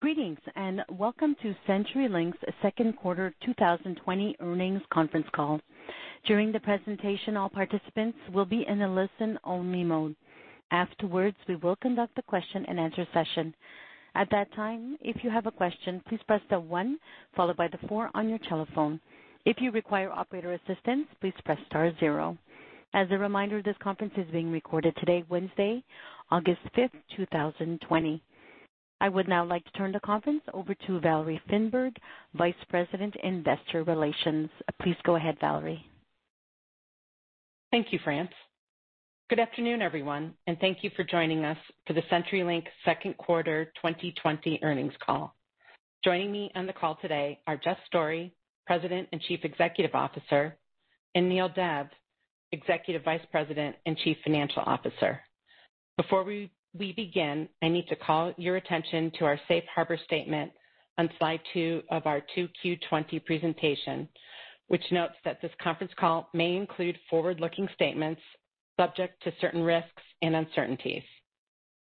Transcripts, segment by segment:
Greetings and welcome to CenturyLink's second quarter 2020 earnings conference call. During the presentation, all participants will be in a listen-only mode. Afterwards, we will conduct the question-and-answer session. At that time, if you have a question, please press the one followed by the four on your telephone. If you require operator assistance, please press star zero. As a reminder, this conference is being recorded today, Wednesday, August 5th, 2020. I would now like to turn the conference over to Valerie Finberg, Vice President, Investor Relations. Please go ahead, Valerie. Thank you, France. Good afternoon, everyone, and thank you for joining us to the CenturyLink's second quarter 2020 earnings call. Joining me on the call today are Jeff Storey, President and Chief Executive Officer, and Neel Dev, Executive Vice President and Chief Financial Officer. Before we begin, I need to call your attention to our Safe Harbor Statement on slide 2 of our 2Q 2020 presentation, which notes that this conference call may include forward-looking statements subject to certain risks and uncertainties.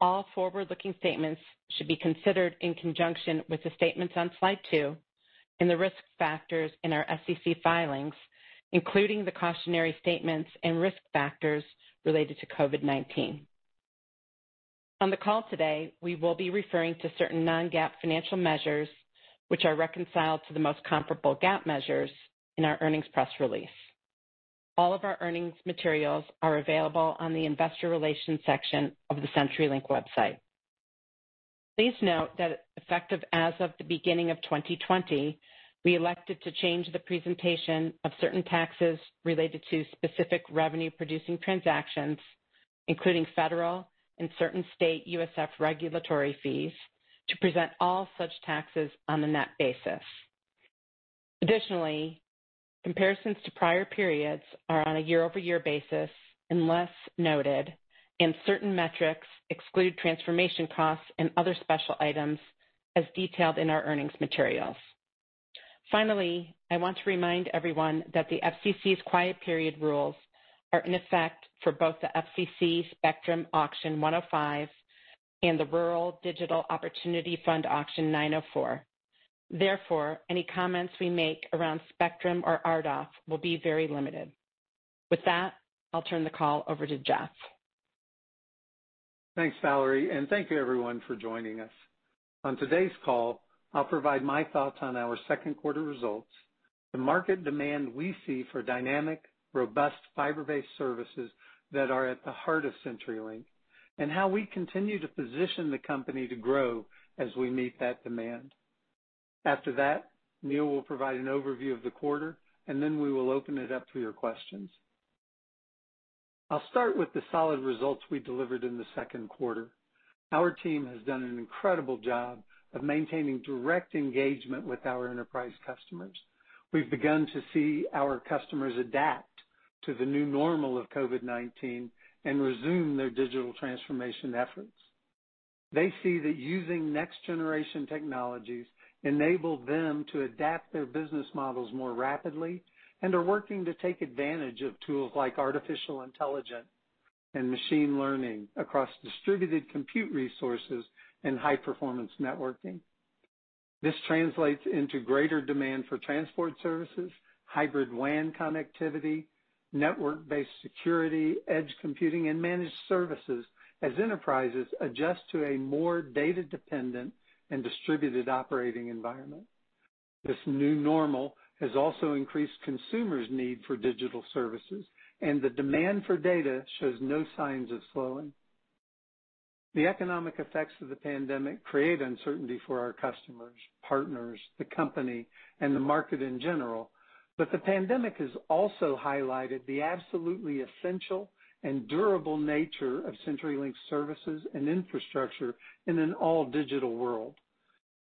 All forward-looking statements should be considered in conjunction with the statements on slide 2 and the risk factors in our SEC filings, including the cautionary statements and risk factors related to COVID-19. On the call today, we will be referring to certain non-GAAP financial measures, which are reconciled to the most comparable GAAP measures in our earnings press release. All of our earnings materials are available on the Investor Relations section of the CenturyLink website. Please note that effective as of the beginning of 2020, we elected to change the presentation of certain taxes related to specific revenue-producing transactions, including federal and certain state USF regulatory fees, to present all such taxes on a net basis. Additionally, comparisons to prior periods are on a year-over-year basis unless noted, and certain metrics exclude transformation costs and other special items as detailed in our earnings materials. Finally, I want to remind everyone that the FCC's quiet period rules are in effect for both the FCC Spectrum Auction 105 and the Rural Digital Opportunity Fund Auction 904. Therefore, any comments we make around Spectrum or RDOF will be very limited. With that, I'll turn the call over to Jeff. Thanks, Valerie, and thank you, everyone, for joining us. On today's call, I'll provide my thoughts on our second quarter results, the market demand we see for dynamic, robust fiber-based services that are at the heart of CenturyLink, and how we continue to position the company to grow as we meet that demand. After that, Neel will provide an overview of the quarter, and then we will open it up for your questions. I'll start with the solid results we delivered in the second quarter. Our team has done an incredible job of maintaining direct engagement with our Enterprise customers. We've begun to see our customers adapt to the new normal of COVID-19 and resume their digital transformation efforts. They see that using next-generation technologies enables them to adapt their business models more rapidly and are working to take advantage of tools like artificial intelligence and machine learning across distributed compute resources and high-performance networking. This translates into greater demand for transport services, hybrid WAN connectivity, network-based security, edge computing, and managed services as enterprises adjust to a more data-dependent and distributed operating environment. This new normal has also increased consumers' need for digital services, and the demand for data shows no signs of slowing. The economic effects of the pandemic create uncertainty for our customers, partners, the company, and the market in general, but the pandemic has also highlighted the absolutely essential and durable nature of CenturyLink's services and infrastructure in an all-digital world.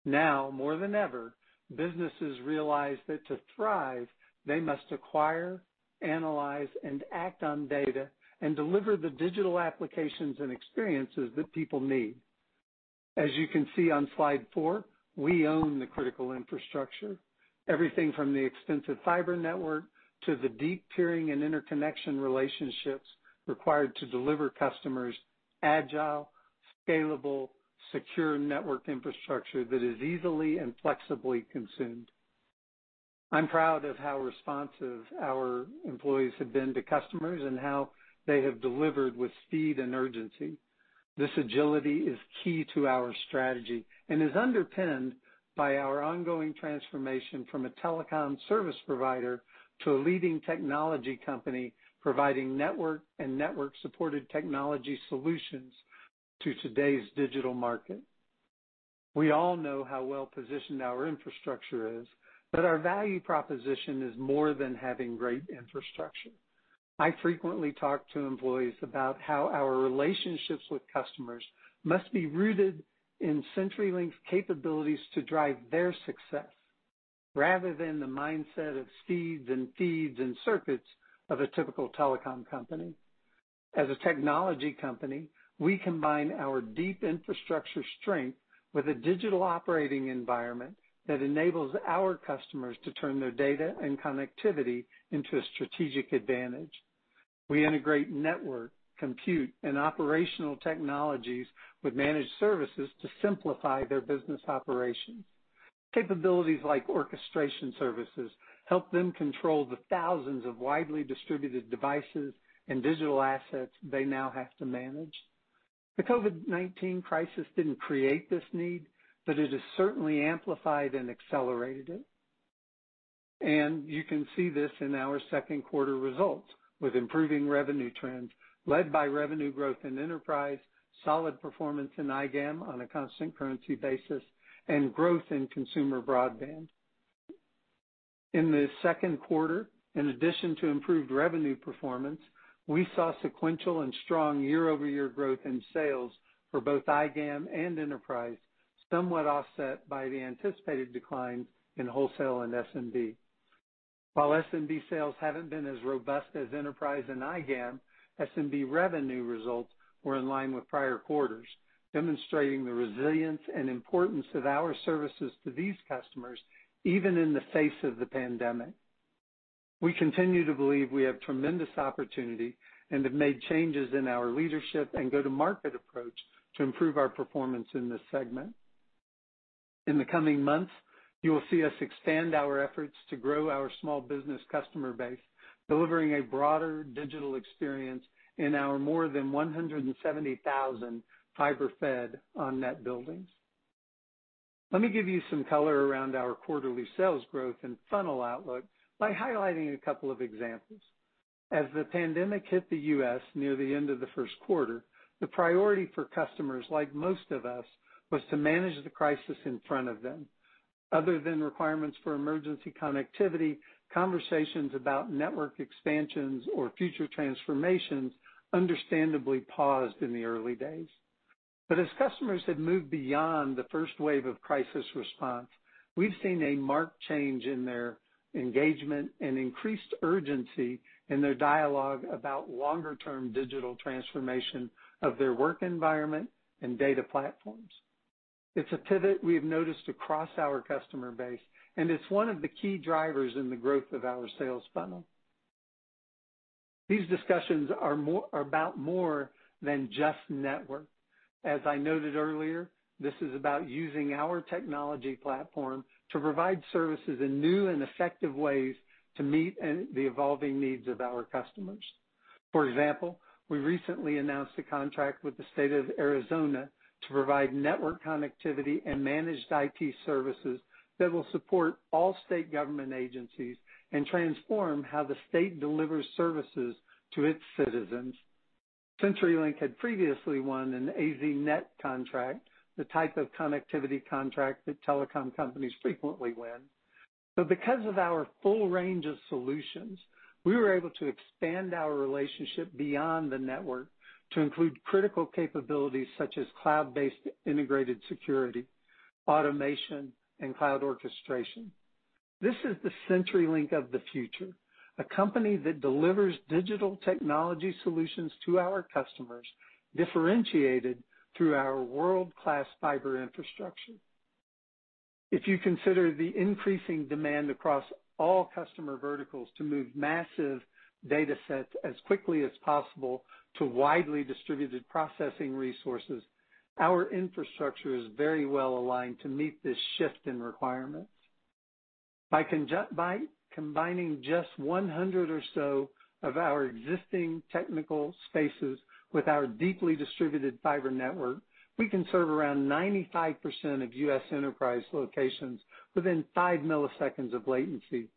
Now, more than ever, businesses realize that to thrive, they must acquire, analyze, and act on data and deliver the digital applications and experiences that people need. As you can see on slide 4, we own the critical infrastructure, everything from the extensive fiber network to the deep peering and interconnection relationships required to deliver customers' agile, scalable, secure network infrastructure that is easily and flexibly consumed. I'm proud of how responsive our employees have been to customers and how they have delivered with speed and urgency. This agility is key to our strategy and is underpinned by our ongoing transformation from a telecom service provider to a leading technology company providing network and network-supported technology solutions to today's digital market. We all know how well-positioned our infrastructure is, but our value proposition is more than having great infrastructure. I frequently talk to employees about how our relationships with customers must be rooted in CenturyLink's capabilities to drive their success rather than the mindset of speeds and feeds and circuits of a typical telecom company. As a technology company, we combine our deep infrastructure strength with a digital operating environment that enables our customers to turn their data and connectivity into a strategic advantage. We integrate network, compute, and operational technologies with managed services to simplify their business operations. Capabilities like orchestration services help them control the thousands of widely distributed devices and digital assets they now have to manage. The COVID-19 crisis did not create this need, but it has certainly amplified and accelerated it. You can see this in our second quarter results with improving revenue trends led by revenue growth in Enterprise, solid performance in iGAM on a constant currency basis, and growth in Consumer Broadband. In the second quarter, in addition to improved revenue performance, we saw sequential and strong year-over-year growth in sales for both iGAM and Enterprise, somewhat offset by the anticipated declines in Wholesale and SMB. While SMB sales have not been as robust as Enterprise and iGAM, SMB revenue results were in line with prior quarters, demonstrating the resilience and importance of our services to these customers even in the face of the pandemic. We continue to believe we have tremendous opportunity and have made changes in our leadership and go-to-market approach to improve our performance in this segment. In the coming months, you will see us expand our efforts to grow our small business customer base, delivering a broader digital experience in our more than 170,000 fiber-fed on-net buildings. Let me give you some color around our quarterly sales growth and funnel outlook by highlighting a couple of examples. As the pandemic hit the U.S. near the end of the first quarter, the priority for customers like most of us was to manage the crisis in front of them. Other than requirements for emergency connectivity, conversations about network expansions or future transformations understandably paused in the early days. As customers have moved beyond the first wave of crisis response, we've seen a marked change in their engagement and increased urgency in their dialogue about longer-term digital transformation of their work environment and data platforms. It's a pivot we've noticed across our customer base, and it's one of the key drivers in the growth of our sales funnel. These discussions are about more than just network. As I noted earlier, this is about using our technology platform to provide services in new and effective ways to meet the evolving needs of our customers. For example, we recently announced a contract with the State of Arizona to provide network connectivity and managed IT services that will support all state government agencies and transform how the state delivers services to its citizens. CenturyLink had previously won an AZNet contract, the type of connectivity contract that telecom companies frequently win. Because of our full range of solutions, we were able to expand our relationship beyond the network to include critical capabilities such as cloud-based integrated security, automation, and cloud orchestration. This is the CenturyLink of the future, a company that delivers digital technology solutions to our customers, differentiated through our world-class fiber infrastructure. If you consider the increasing demand across all customer verticals to move massive data sets as quickly as possible to widely distributed processing resources, our infrastructure is very well aligned to meet this shift in requirements. By combining just 100 or so of our existing technical spaces with our deeply distributed fiber network, we can serve around 95% of U.S. Enterprise locations within 5 milliseconds of latency.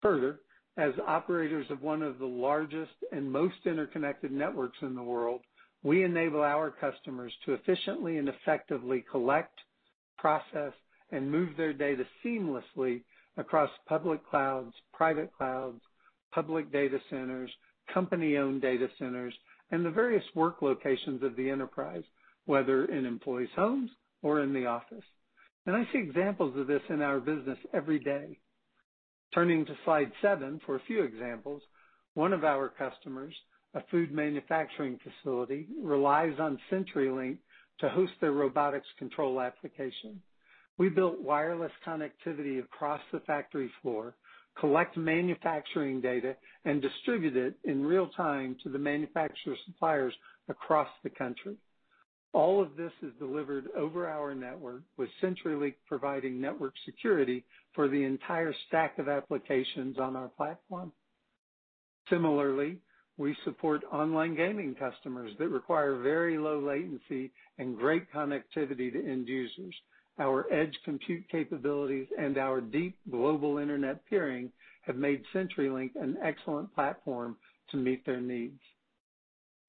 Further, as operators of one of the largest and most interconnected networks in the world, we enable our customers to efficiently and effectively collect, process, and move their data seamlessly across public clouds, private clouds, public data centers, company-owned data centers, and the various work locations of the Enterprise, whether in employees' homes or in the office. I see examples of this in our business every day. Turning to slide 7 for a few examples, one of our customers, a food manufacturing facility, relies on CenturyLink to host their robotics control application. We built wireless connectivity across the factory floor, collect manufacturing data, and distribute it in real time to the manufacturer suppliers across the country. All of this is delivered over our network, with CenturyLink providing network security for the entire stack of applications on our platform. Similarly, we support online gaming customers that require very low latency and great connectivity to end users. Our Edge Compute capabilities and our deep global internet peering have made CenturyLink an excellent platform to meet their needs.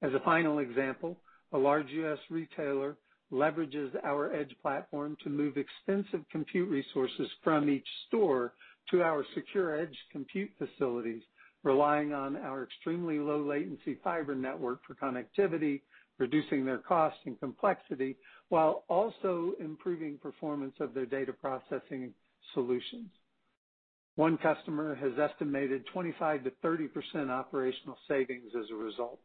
As a final example, a large U.S. retailer leverages our Edge Platform to move extensive compute resources from each store to our secure Edge Compute facilities, relying on our extremely low-latency fiber network for connectivity, reducing their cost and complexity while also improving performance of their data processing solutions. One customer has estimated 25%-30% operational savings as a result.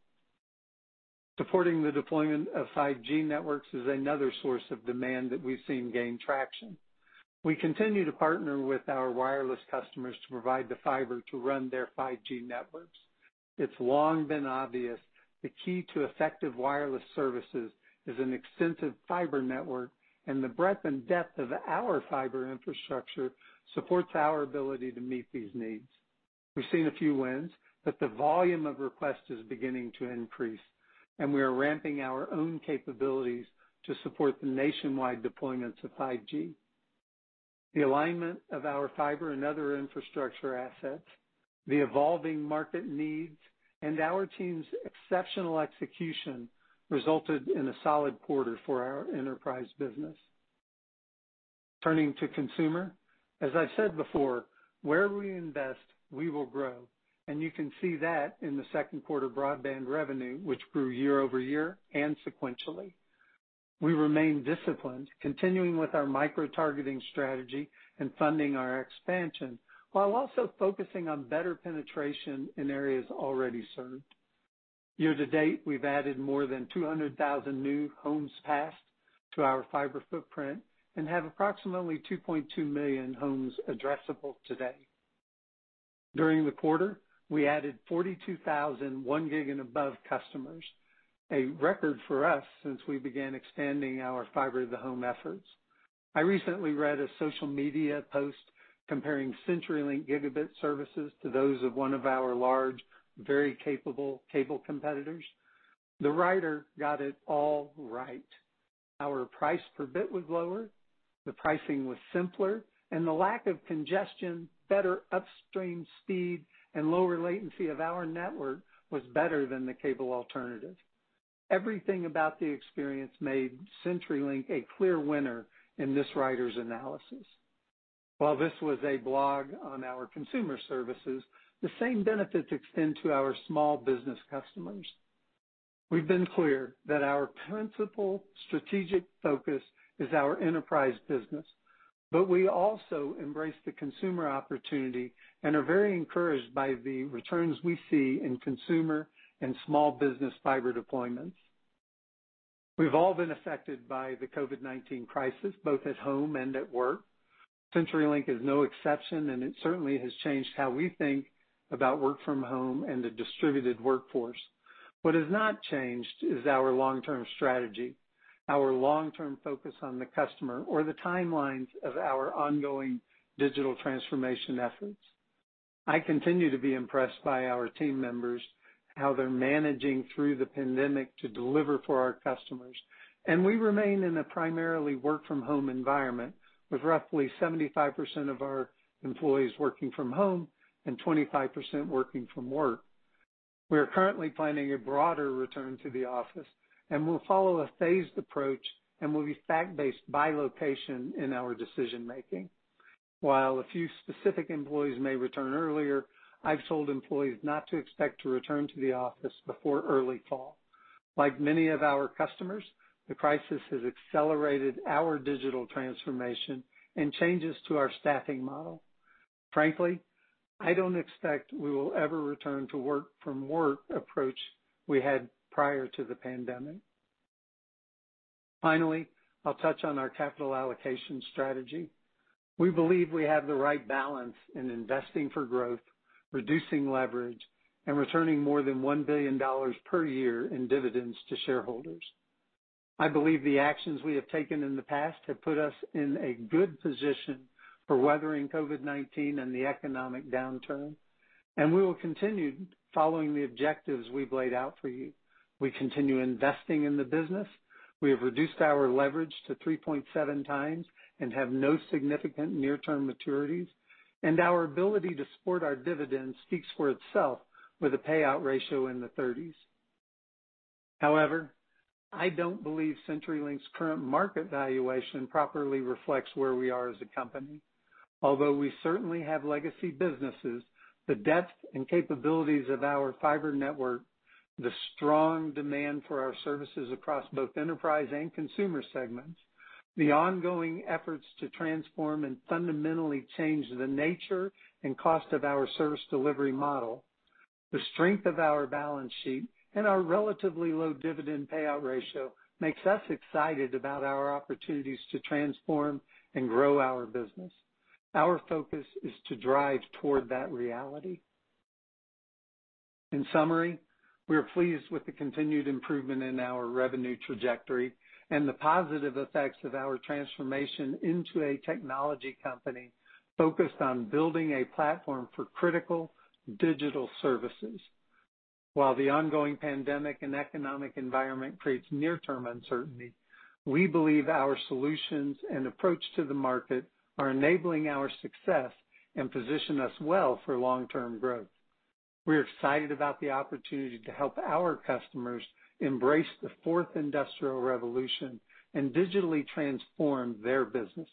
Supporting the deployment of 5G networks is another source of demand that we've seen gain traction. We continue to partner with our wireless customers to provide the fiber to run their 5G networks. It's long been obvious the key to effective wireless services is an extensive fiber network, and the breadth and depth of our fiber infrastructure supports our ability to meet these needs. We've seen a few wins, but the volume of requests is beginning to increase, and we are ramping our own capabilities to support the nationwide deployments of 5G. The alignment of our fiber and other infrastructure assets, the evolving market needs, and our team's exceptional execution resulted in a solid quarter for our Enterprise business. Turning to Consumer, as I've said before, where we invest, we will grow, and you can see that in the second quarter Broadband revenue, which grew year-over-year and sequentially. We remain disciplined, continuing with our micro-targeting strategy and funding our expansion while also focusing on better penetration in areas already served. Year-to-date, we've added more than 200,000 new homes passed to our fiber footprint and have approximately 2.2 million homes addressable today. During the quarter, we added 42,000 1 Gb-and-above customers, a record for us since we began expanding our fiber-to-the-home efforts. I recently read a social media post comparing CenturyLink gigabit services to those of one of our large, very capable cable competitors. The writer got it all right. Our price per bit was lower, the pricing was simpler, and the lack of congestion, better upstream speed, and lower latency of our network was better than the cable alternative. Everything about the experience made CenturyLink a clear winner in this writer's analysis. While this was a blog on our Consumer services, the same benefits extend to our small business customers. We've been clear that our principal strategic focus is our Enterprise business, but we also embrace the consumer opportunity and are very encouraged by the returns we see in Consumer and small business fiber deployments. We've all been affected by the COVID-19 crisis, both at home and at work. CenturyLink is no exception, and it certainly has changed how we think about work from home and the distributed workforce. What has not changed is our long-term strategy, our long-term focus on the customer or the timelines of our ongoing digital transformation efforts. I continue to be impressed by our team members, how they're managing through the pandemic to deliver for our customers. We remain in a primarily work-from-home environment with roughly 75% of our employees working from home and 25% working from work. We are currently planning a broader return to the office, and we'll follow a phased approach and will be fact-based by location in our decision-making. While a few specific employees may return earlier, I've told employees not to expect to return to the office before early fall. Like many of our customers, the crisis has accelerated our digital transformation and changes to our staffing model. Frankly, I don't expect we will ever return to the work-from-work approach we had prior to the pandemic. Finally, I'll touch on our capital allocation strategy. We believe we have the right balance in investing for growth, reducing leverage, and returning more than $1 billion per year in dividends to shareholders. I believe the actions we have taken in the past have put us in a good position for weathering COVID-19 and the economic downturn, and we will continue following the objectives we've laid out for you. We continue investing in the business. We have reduced our leverage to 3.7x and have no significant near-term maturities, and our ability to support our dividends speaks for itself with a payout ratio in the 30s. However, I don't believe CenturyLink's current market valuation properly reflects where we are as a company. Although we certainly have legacy businesses, the depth and capabilities of our fiber network, the strong demand for our services across both Enterprise and Consumer segments, the ongoing efforts to transform and fundamentally change the nature and cost of our service delivery model, the strength of our balance sheet, and our relatively low dividend payout ratio makes us excited about our opportunities to transform and grow our business. Our focus is to drive toward that reality. In summary, we're pleased with the continued improvement in our revenue trajectory and the positive effects of our transformation into a technology company focused on building a platform for critical digital services. While the ongoing pandemic and economic environment creates near-term uncertainty, we believe our solutions and approach to the market are enabling our success and position us well for long-term growth. We're excited about the opportunity to help our customers embrace the Fourth Industrial Revolution and digitally transform their businesses.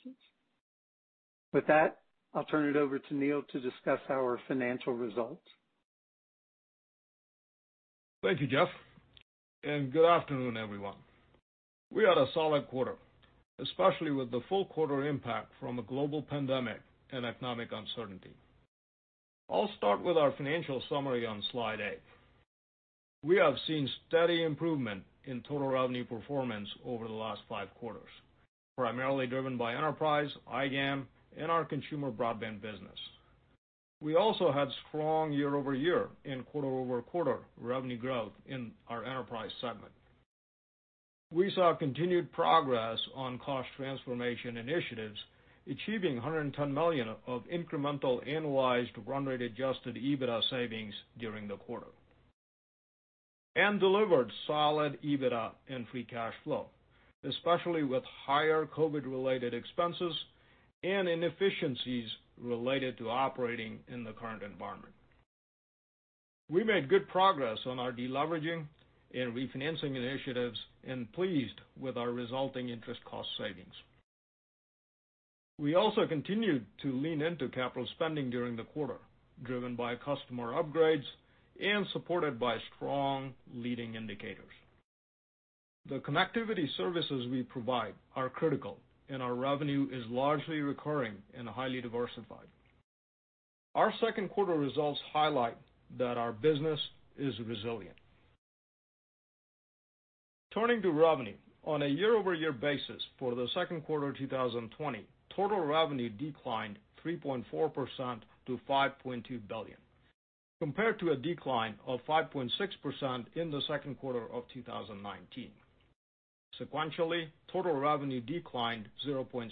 With that, I'll turn it over to Neel to discuss our financial results. Thank you, Jeff. Good afternoon, everyone. We had a solid quarter, especially with the full quarter impact from a global pandemic and economic uncertainty. I'll start with our financial summary on slide 8. We have seen steady improvement in total revenue performance over the last five quarters, primarily driven by Enterprise, iGAM, and our Consumer Broadband business. We also had strong year-over-year and quarter-over-quarter revenue growth in our Enterprise segment. We saw continued progress on cost transformation initiatives, achieving $110 million of incremental annualized run-rate adjusted EBITDA savings during the quarter, and delivered solid EBITDA and free cash flow, especially with higher COVID-related expenses and inefficiencies related to operating in the current environment. We made good progress on our deleveraging and refinancing initiatives and are pleased with our resulting interest cost savings. We also continued to lean into capital spending during the quarter, driven by customer upgrades and supported by strong leading indicators. The connectivity services we provide are critical, and our revenue is largely recurring and highly diversified. Our second quarter results highlight that our business is resilient. Turning to revenue, on a year-over-year basis for the second quarter of 2020, total revenue declined 3.4% to $5.2 billion, compared to a decline of 5.6% in the second quarter of 2019. Sequentially, total revenue declined 0.7%.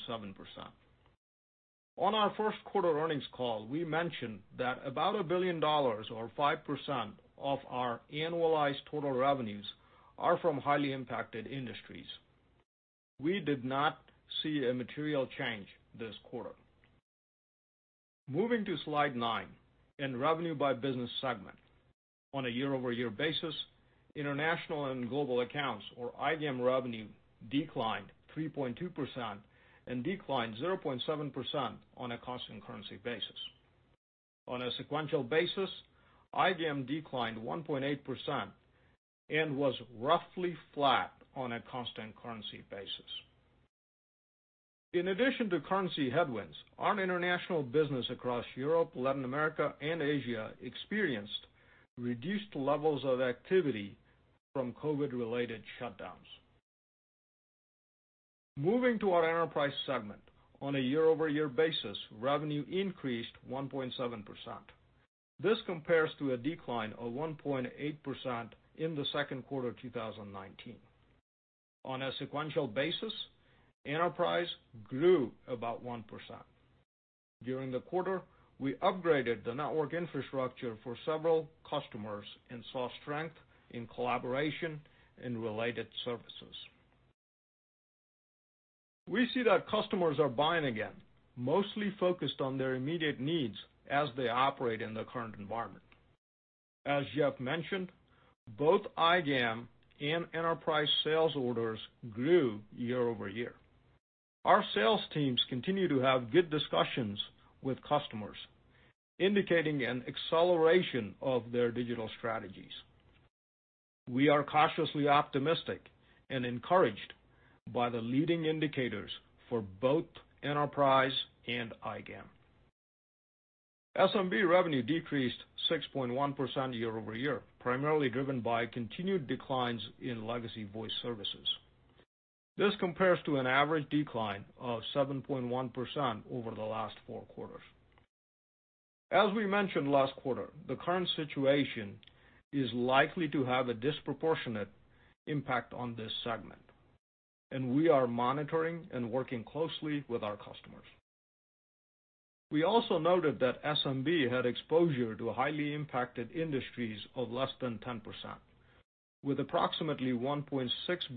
On our first quarter earnings call, we mentioned that about $1 billion, or 5% of our annualized total revenues, are from highly impacted industries. We did not see a material change this quarter. Moving to slide 9 and revenue by business segment. On a year-over-year basis, International and Global Accounts, or iGAM revenue, declined 3.2% and declined 0.7% on a constant currency basis. On a sequential basis, iGAM declined 1.8% and was roughly flat on a constant currency basis. In addition to currency headwinds, our international business across Europe, Latin America, and Asia experienced reduced levels of activity from COVID-related shutdowns. Moving to our Enterprise segment, on a year-over-year basis, revenue increased 1.7%. This compares to a decline of 1.8% in the second quarter of 2019. On a sequential basis, Enterprise grew about 1%. During the quarter, we upgraded the network infrastructure for several customers and saw strength in collaboration and related services. We see that customers are buying again, mostly focused on their immediate needs as they operate in the current environment. As Jeff mentioned, both iGAM and Enterprise sales orders grew year-over-year. Our sales teams continue to have good discussions with customers, indicating an acceleration of their digital strategies. We are cautiously optimistic and encouraged by the leading indicators for both Enterprise and iGAM. SMB revenue decreased 6.1% year-over-year, primarily driven by continued declines in legacy Voice services. This compares to an average decline of 7.1% over the last four quarters. As we mentioned last quarter, the current situation is likely to have a disproportionate impact on this segment, and we are monitoring and working closely with our customers. We also noted that SMB had exposure to highly impacted industries of less than 10%, with approximately $1.6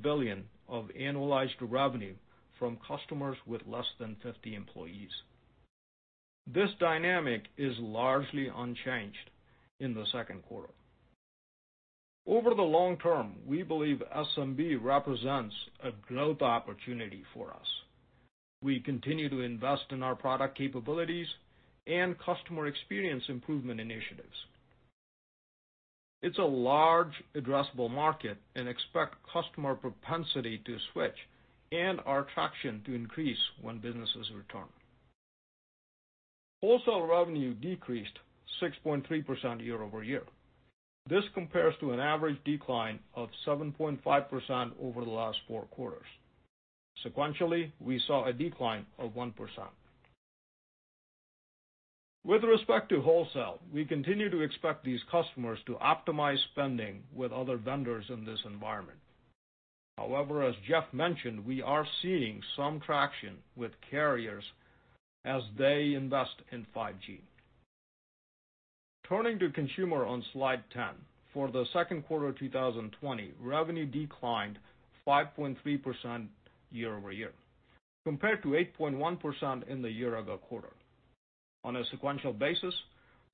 billion of annualized revenue from customers with fewer than 50 employees. This dynamic is largely unchanged in the second quarter. Over the long term, we believe SMB represents a growth opportunity for us. We continue to invest in our product capabilities and customer experience improvement initiatives. It's a large, addressable market and expect customer propensity to switch and our traction to increase when businesses return. Wholesale revenue decreased 6.3% year-over-year. This compares to an average decline of 7.5% over the last four quarters. Sequentially, we saw a decline of 1%. With respect to Wholesale, we continue to expect these customers to optimize spending with other vendors in this environment. However, as Jeff mentioned, we are seeing some traction with carriers as they invest in 5G. Turning to Consumer on slide 10, for the second quarter of 2020, revenue declined 5.3% year-over-year, compared to 8.1% in the year-ago quarter. On a sequential basis,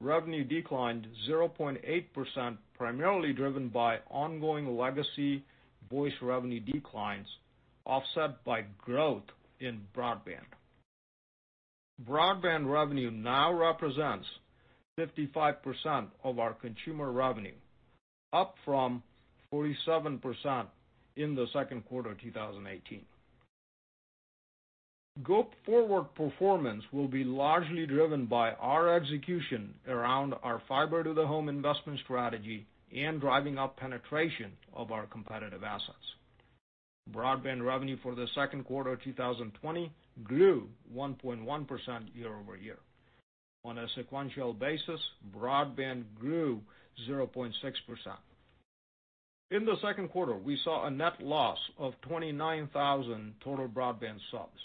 revenue declined 0.8%, primarily driven by ongoing legacy Voice revenue declines offset by growth in Broadband. Broadband revenue now represents 55% of our Consumer revenue, up from 47% in the second quarter of 2018. Go forward performance will be largely driven by our execution around our fiber-to-the-home investment strategy and driving up penetration of our competitive assets. Broadband revenue for the second quarter of 2020 grew 1.1% year-over-year. On a sequential basis, Broadband grew 0.6%. In the second quarter, we saw a net loss of 29,000 total Broadband subs.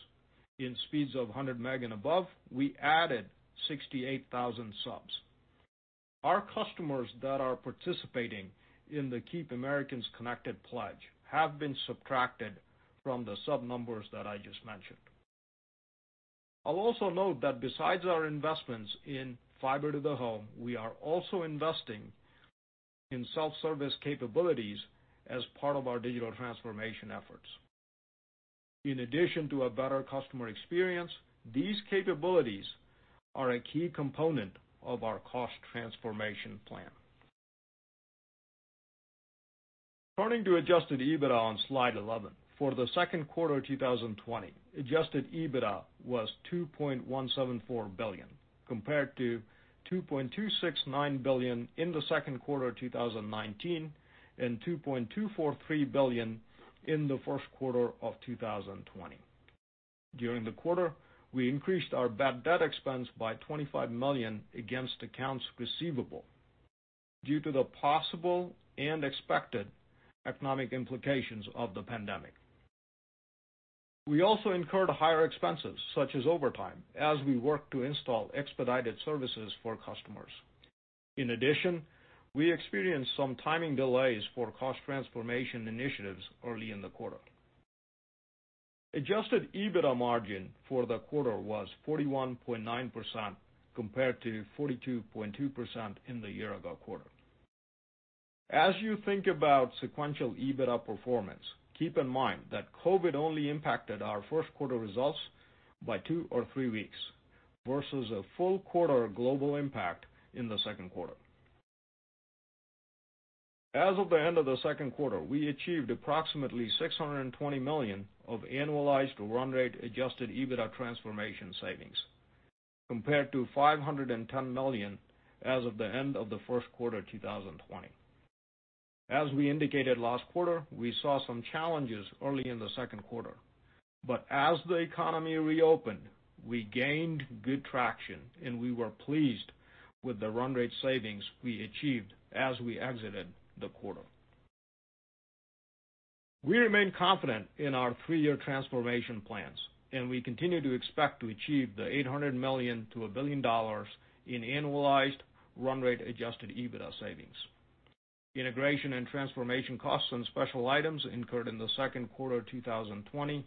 In speeds of 100 meg and above, we added 68,000 subs. Our customers that are participating in the Keep Americans Connected pledge have been subtracted from the sub numbers that I just mentioned. I'll also note that besides our investments in fiber to the home, we are also investing in self-service capabilities as part of our digital transformation efforts. In addition to a better customer experience, these capabilities are a key component of our cost transformation plan. Turning to adjusted EBITDA on slide 11, for the second quarter of 2020, adjusted EBITDA was $2.174 billion, compared to $2.269 billion in the second quarter of 2019 and $2.243 billion in the first quarter of 2020. During the quarter, we increased our bad debt expense by $25 million against accounts receivable due to the possible and expected economic implications of the pandemic. We also incurred higher expenses, such as overtime, as we worked to install expedited services for customers. In addition, we experienced some timing delays for cost transformation initiatives early in the quarter. Adjusted EBITDA margin for the quarter was 41.9%, compared to 42.2% in the year-ago quarter. As you think about sequential EBITDA performance, keep in mind that COVID only impacted our first quarter results by two or three weeks versus a full quarter global impact in the second quarter. As of the end of the second quarter, we achieved approximately $620 million of annualized run-rate adjusted EBITDA transformation savings, compared to $510 million as of the end of the first quarter of 2020. As we indicated last quarter, we saw some challenges early in the second quarter, but as the economy reopened, we gained good traction, and we were pleased with the run-rate savings we achieved as we exited the quarter. We remain confident in our three-year transformation plans, and we continue to expect to achieve the $800 million-$1 billion in annualized run-rate adjusted EBITDA savings. Integration and transformation costs and special items incurred in the second quarter of 2020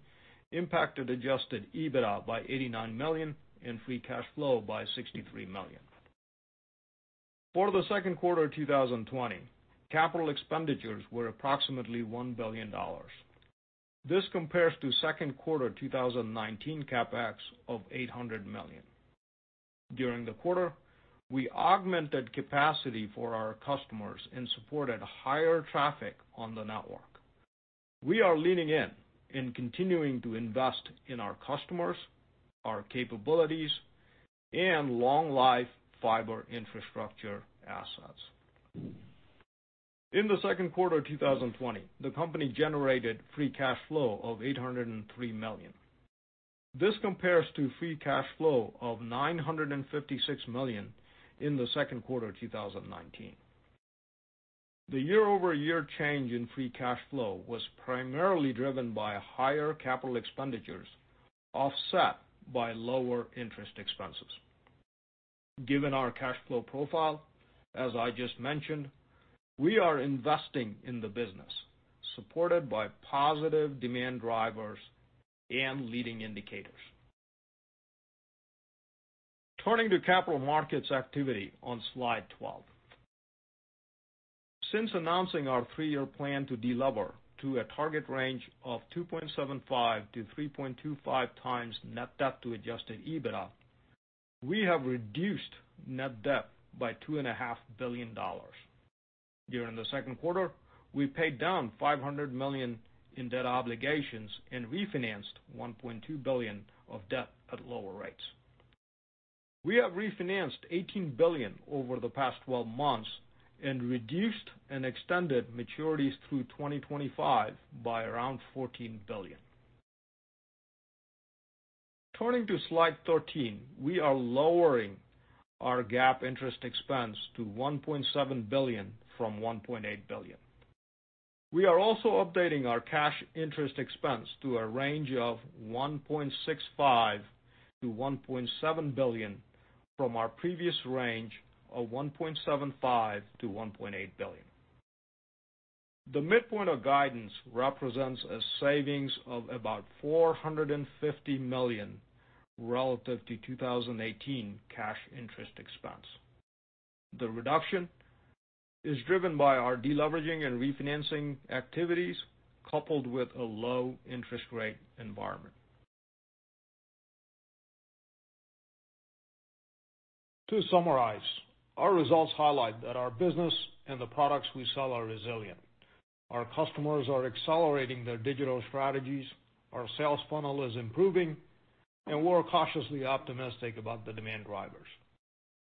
impacted adjusted EBITDA by $89 million and free cash flow by $63 million. For the second quarter of 2020, capital expenditures were approximately $1 billion. This compares to second quarter 2019 CapEx of $800 million. During the quarter, we augmented capacity for our customers and supported higher traffic on the network. We are leaning in and continuing to invest in our customers, our capabilities, and long-life fiber infrastructure assets. In the second quarter of 2020, the company generated free cash flow of $803 million. This compares to free cash flow of $956 million in the second quarter of 2019. The year-over-year change in free cash flow was primarily driven by higher capital expenditures offset by lower interest expenses. Given our cash flow profile, as I just mentioned, we are investing in the business supported by positive demand drivers and leading indicators. Turning to capital markets activity on slide 12. Since announcing our three-year plan to deliver to a target range of 2.75x-3.25x net debt to adjusted EBITDA, we have reduced net debt by $2.5 billion. During the second quarter, we paid down $500 million in debt obligations and refinanced $1.2 billion of debt at lower rates. We have refinanced $18 billion over the past 12 months and reduced and extended maturities through 2025 by around $14 billion. Turning to slide 13, we are lowering our GAAP interest expense to $1.7 billion from $1.8 billion. We are also updating our cash interest expense to a range of $1.65 billion-$1.7 billion from our previous range of $1.75 billion-$1.8 billion. The midpoint of guidance represents a savings of about $450 million relative to 2018 cash interest expense. The reduction is driven by our deleveraging and refinancing activities coupled with a low interest rate environment. To summarize, our results highlight that our business and the products we sell are resilient. Our customers are accelerating their digital strategies, our sales funnel is improving, and we're cautiously optimistic about the demand drivers.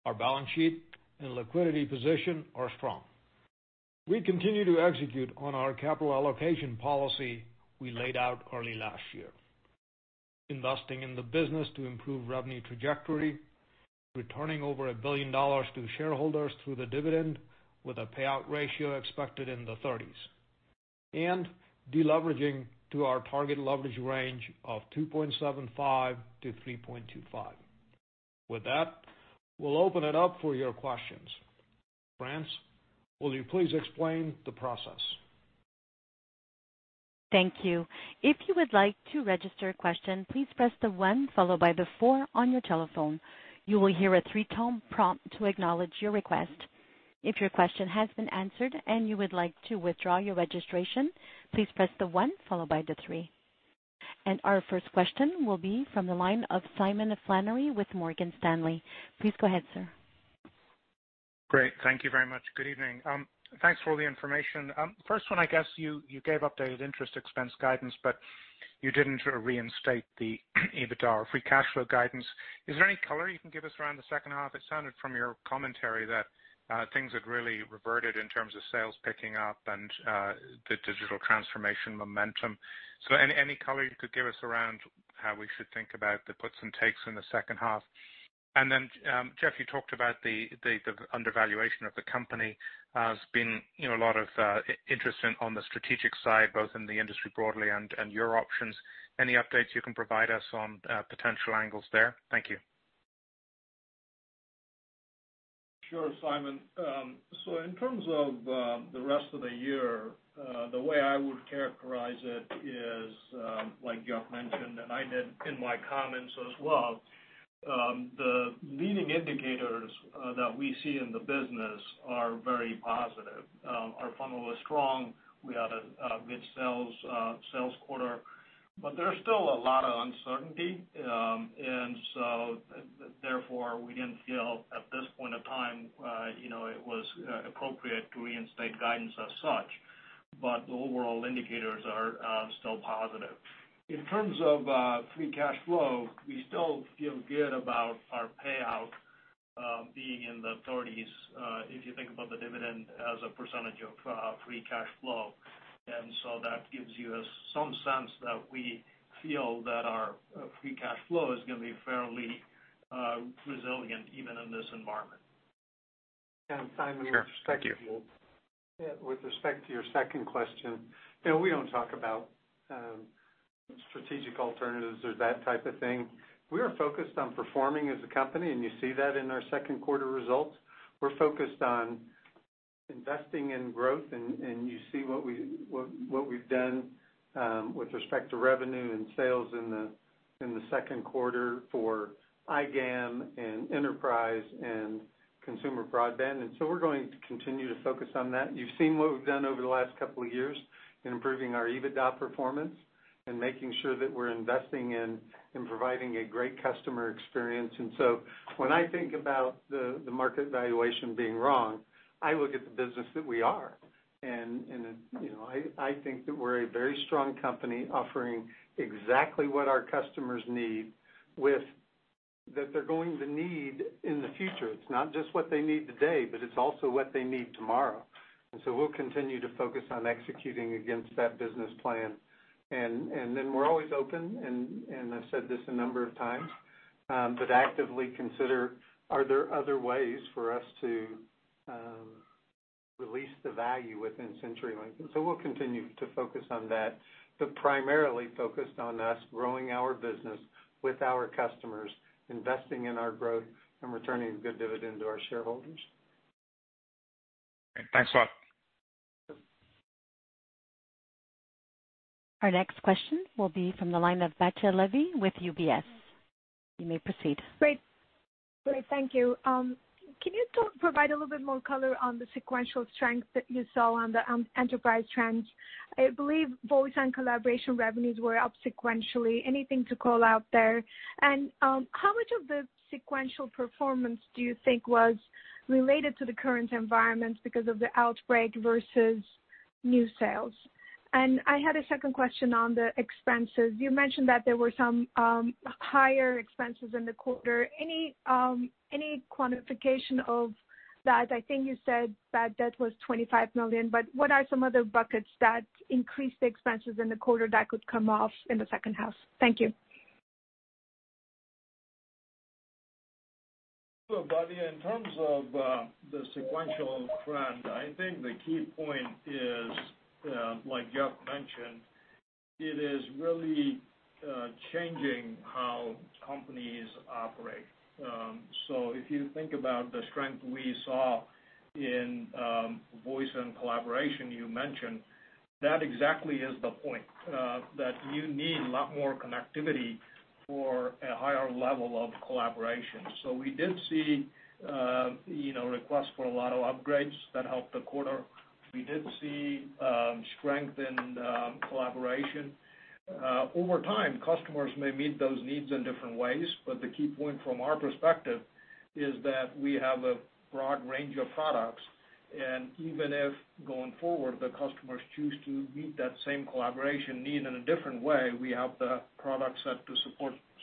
Our balance sheet and liquidity position are strong. We continue to execute on our capital allocation policy we laid out early last year, investing in the business to improve revenue trajectory, returning over $1 billion to shareholders through the dividend with a payout ratio expected in the 30s, and deleveraging to our target leverage range of 2.75x-3.25x. With that, we'll open it up for your questions. France, will you please explain the process? Thank you. If you would like to register a question, please press the one followed by the four on your telephone. You will hear a three-tone prompt to acknowledge your request. If your question has been answered and you would like to withdraw your registration, please press the one followed by the three. Our first question will be from the line of Simon Flannery with Morgan Stanley. Please go ahead, sir. Great. Thank you very much. Good evening. Thanks for all the information. First one, I guess you gave updated interest expense guidance, but you did not reinstate the EBITDA or free cash flow guidance. Is there any color you can give us around the second half? It sounded from your commentary that things had really reverted in terms of sales picking up and the digital transformation momentum. Any color you could give us around how we should think about the puts and takes in the second half? Jeff, you talked about the undervaluation of the company. There has been a lot of interest on the strategic side, both in the industry broadly and your options. Any updates you can provide us on potential angles there? Thank you. Sure, Simon. In terms of the rest of the year, the way I would characterize it is, like Jeff mentioned, and I did in my comments as well, the leading indicators that we see in the business are very positive. Our funnel was strong. We had a good sales quarter, but there's still a lot of uncertainty. Therefore, we did not feel at this point in time it was appropriate to reinstate guidance as such. The overall indicators are still positive. In terms of free cash flow, we still feel good about our payout being in the 30s if you think about the dividend as a percentage of free cash flow. That gives you some sense that we feel that our free cash flow is going to be fairly resilient even in this environment. Simon. Sure. Thank you. With respect to your second question, we don't talk about strategic alternatives or that type of thing. We are focused on performing as a company, and you see that in our second quarter results. We're focused on investing in growth, and you see what we've done with respect to revenue and sales in the second quarter for iGAM and Enterprise and Consumer Broadband. We are going to continue to focus on that. You've seen what we've done over the last couple of years in improving our EBITDA performance and making sure that we're investing in providing a great customer experience. When I think about the market valuation being wrong, I look at the business that we are. I think that we're a very strong company offering exactly what our customers need that they're going to need in the future. It's not just what they need today, but it's also what they need tomorrow. We'll continue to focus on executing against that business plan. We're always open, and I've said this a number of times, but actively consider, are there other ways for us to release the value within CenturyLink? We'll continue to focus on that, but primarily focused on us growing our business with our customers, investing in our growth, and returning a good dividend to our shareholders. Thanks a lot. Our next question will be from the line of Batya Levi with UBS. You may proceed. Great. Thank you. Can you provide a little bit more color on the sequential strength that you saw on the Enterprise trends? I believe Voice and collaboration revenues were up sequentially. Anything to call out there? How much of the sequential performance do you think was related to the current environment because of the outbreak versus new sales? I had a second question on the expenses. You mentioned that there were some higher expenses in the quarter. Any quantification of that? I think you said that that was $25 million, but what are some other buckets that increased the expenses in the quarter that could come off in the second half? Thank you. Sure, Batya. In terms of the sequential trend, I think the key point is, like Jeff mentioned, it is really changing how companies operate. If you think about the strength we saw in Voice and collaboration you mentioned, that exactly is the point, that you need a lot more connectivity for a higher level of collaboration. We did see requests for a lot of upgrades that helped the quarter. We did see strength in collaboration. Over time, customers may meet those needs in different ways, but the key point from our perspective is that we have a broad range of products. Even if going forward, the customers choose to meet that same collaboration need in a different way, we have the product set to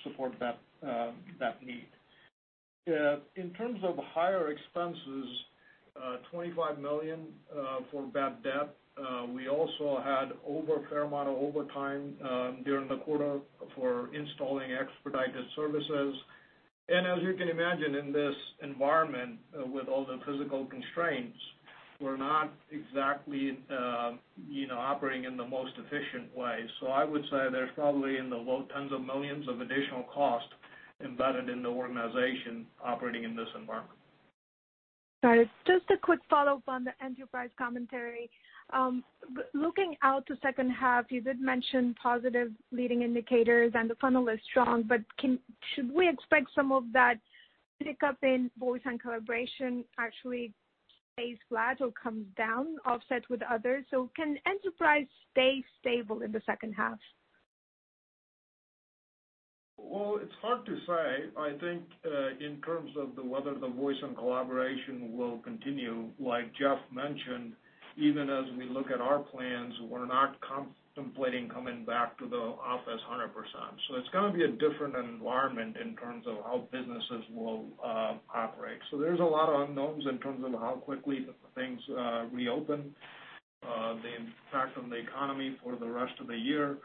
support that need. In terms of higher expenses, $25 million for bad debt. We also had a fair amount of overtime during the quarter for installing expedited services. As you can imagine, in this environment with all the physical constraints, we're not exactly operating in the most efficient way. I would say there's probably in the low tens of millions of additional costs embedded in the organization operating in this environment. Sorry. Just a quick follow-up on the Enterprise commentary. Looking out to second half, you did mention positive leading indicators, and the funnel is strong, but should we expect some of that pickup in Voice and collaboration actually stays flat or comes down offset with others? Can Enterprise stay stable in the second half? It is hard to say. I think in terms of whether the Voice and collaboration will continue, like Jeff mentioned, even as we look at our plans, we are not contemplating coming back to the office 100%. It is going to be a different environment in terms of how businesses will operate. There are a lot of unknowns in terms of how quickly things reopen, the impact on the economy for the rest of the year.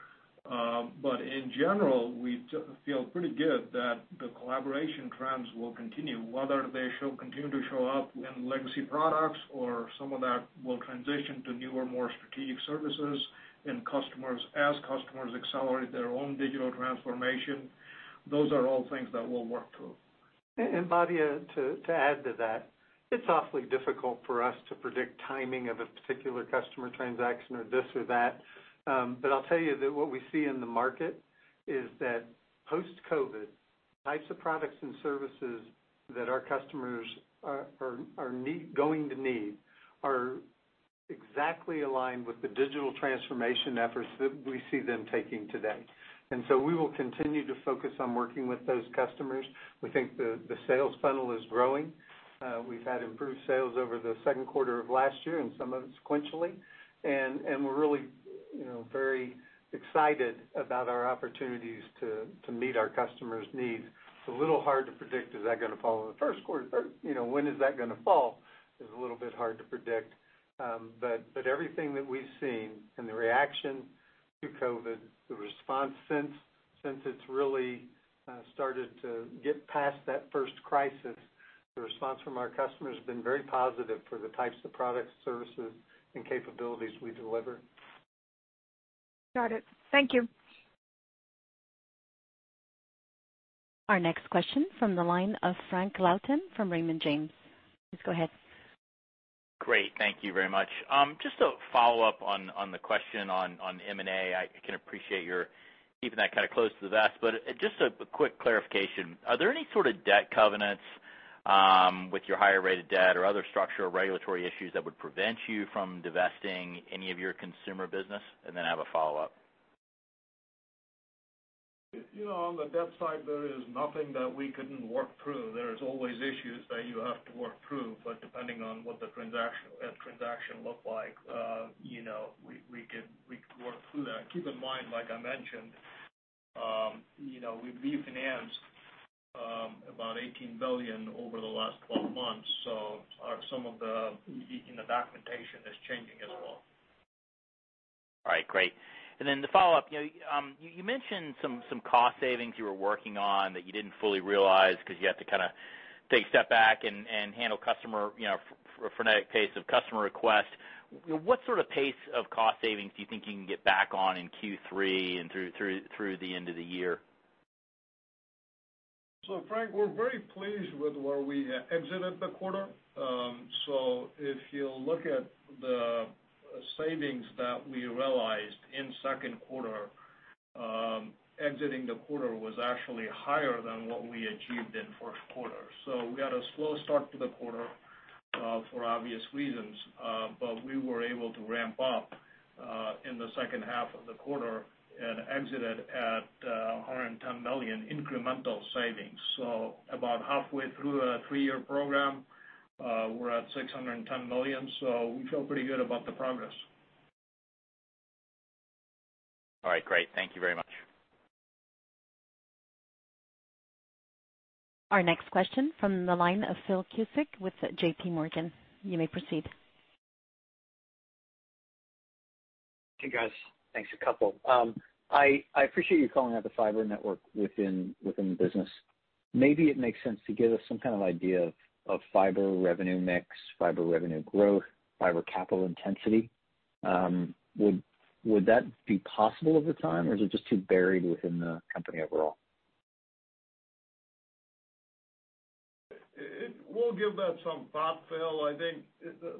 In general, we feel pretty good that the collaboration trends will continue, whether they should continue to show up in legacy products or some of that will transition to newer and more strategic services and customers as customers accelerate their own digital transformation. Those are all things that we'll work through. Batya, to add to that, it's awfully difficult for us to predict timing of a particular customer transaction or this or that. I'll tell you that what we see in the market is that post-COVID, types of products and services that our customers are going to need are exactly aligned with the digital transformation efforts that we see them taking today. We will continue to focus on working with those customers. We think the sales funnel is growing. We've had improved sales over the second quarter of last year and some of it sequentially. We're really very excited about our opportunities to meet our customers' needs. It's a little hard to predict, is that going to fall in the first quarter? When is that going to fall? It's a little bit hard to predict. Everything that we've seen and the reaction to COVID, the response since it's really started to get past that first crisis, the response from our customers has been very positive for the types of products, services, and capabilities we deliver. Got it. Thank you. Our next question from the line of Frank Louthan from Raymond James. Please go ahead. Great. Thank you very much. Just a follow-up on the question on M&A. I can appreciate you're keeping that kind of close to the vest, but just a quick clarification. Are there any sort of debt covenants with your higher rate of debt or other structural regulatory issues that would prevent you from divesting any of your Consumer business? I have a follow-up. On the debt side, there is nothing that we could not work through. There are always issues that you have to work through, but depending on what the transaction looked like, we could work through that. Keep in mind, like I mentioned, we refinanced about $18 billion over the last 12 months. Some of the documentation is changing as well. All right. Great. The follow-up. You mentioned some cost savings you were working on that you did not fully realize because you had to kind of take a step back and handle a case of customer request. What sort of pace of cost savings do you think you can get back on in Q3 and through the end of the year? Frank, we're very pleased with where we exited the quarter. If you look at the savings that we realized in second quarter, exiting the quarter was actually higher than what we achieved in first quarter. We had a slow start to the quarter for obvious reasons, but we were able to ramp up in the second half of the quarter and exited at $110 million incremental savings. About halfway through a three-year program, we're at $610 million. We feel pretty good about the progress. All right. Great. Thank you very much. Our next question from the line of Phil Cusick with JPMorgan. You may proceed. Hey, guys. Thanks, a couple. I appreciate you calling out the fiber network within the business. Maybe it makes sense to give us some kind of idea of fiber revenue mix, fiber revenue growth, fiber capital intensity. Would that be possible over time, or is it just too buried within the company overall? We'll give that some thought, Phil. I think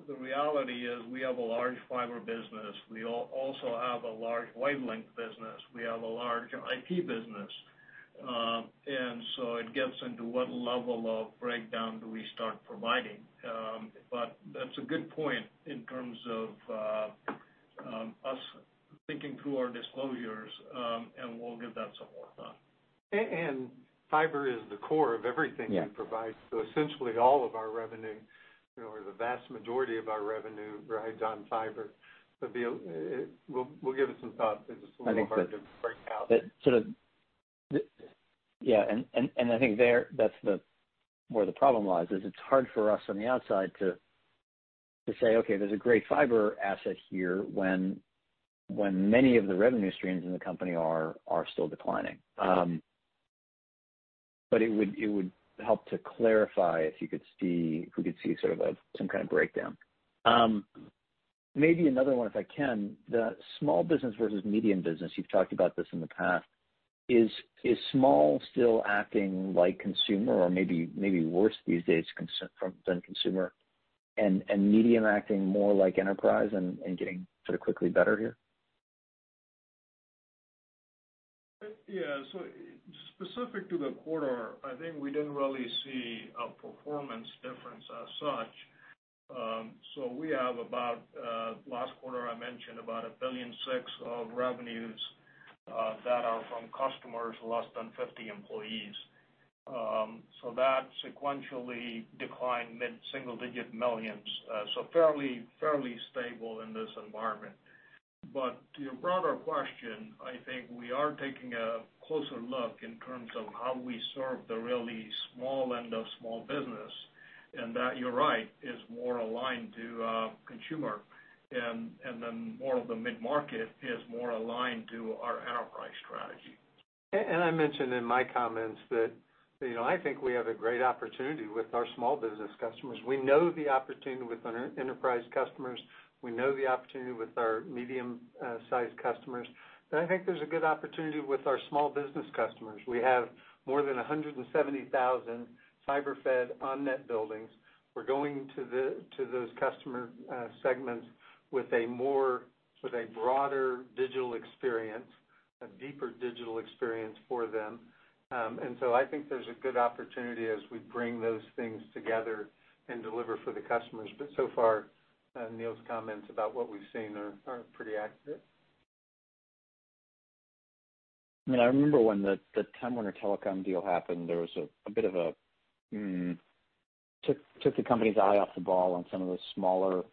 the reality is we have a large fiber business. We also have a large wavelength business. We have a large IP business. It gets into what level of breakdown do we start providing. That is a good point in terms of us thinking through our disclosures, and we'll give that some more thought. Fiber is the core of everything we provide. Essentially, all of our revenue, or the vast majority of our revenue, rides on fiber. We'll give it some thought. It is a little hard to break out. Yeah. I think that's where the problem lies. It's hard for us on the outside to say, "Okay, there's a great fiber asset here when many of the revenue streams in the company are still declining." It would help to clarify if you could see, if we could see, sort of some kind of breakdown. Maybe another one, if I can, the small business versus medium business. You've talked about this in the past. Is small still acting like Consumer or maybe worse these days than Consumer? And medium acting more like enterprise and getting sort of quickly better here? Yeah. Specific to the quarter, I think we didn't really see a performance difference as such. We have about, last quarter I mentioned about $1.6 billion of revenues that are from customers less than 50 employees. That sequentially declined mid-single-digit millions. Fairly stable in this environment. To your broader question, I think we are taking a closer look in terms of how we serve the really small end of small business. That, you're right, is more aligned to Consumer. More of the mid-market is more aligned to our Enterprise strategy. I mentioned in my comments that I think we have a great opportunity with our small business customers. We know the opportunity with our Enterprise customers. We know the opportunity with our medium-sized customers. I think there's a good opportunity with our small business customers. We have more than 170,000 fiber-fed on-net buildings. We're going to those customer segments with a broader digital experience, a deeper digital experience for them. I think there's a good opportunity as we bring those things together and deliver for the customers. So far, Neel's comments about what we've seen are pretty accurate. I mean, I remember when the Time Warner Telecom deal happened, there was a bit of a took the company's eye off the ball on some of the smaller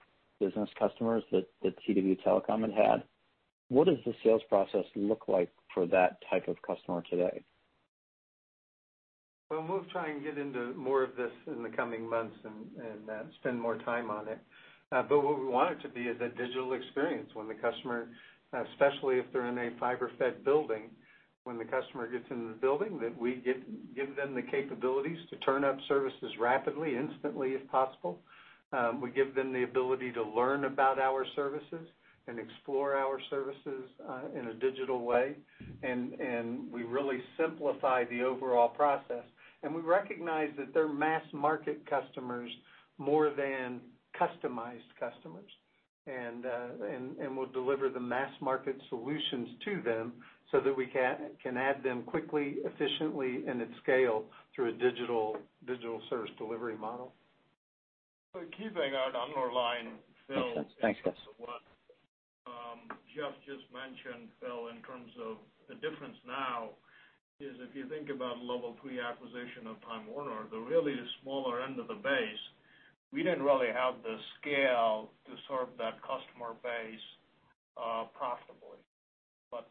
business customers that TW Telecom had had. What does the sales process look like for that type of customer today? We will try and get into more of this in the coming months and spend more time on it. What we want it to be is a digital experience when the customer, especially if they're in a fiber-fed building, when the customer gets into the building, that we give them the capabilities to turn up services rapidly, instantly if possible. We give them the ability to learn about our services and explore our services in a digital way. We really simplify the overall process. We recognize that they're mass-market customers more than customized customers. We will deliver the mass-market solutions to them so that we can add them quickly, efficiently, and at scale through a digital service delivery model. The key thing to underline, Phil. To what Jeff just mentioned, Phil, in terms of the difference now is if you think about Level 3 acquisition of Time Warner, the really smaller end of the base, we did not really have the scale to serve that customer base profitably.